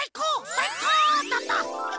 さいこうだった！